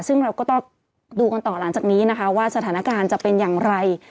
ซึ่งเราก็ต้องดูกันต่อหลังจากนี้นะคะว่าสถานการณ์จะเป็นอย่างไร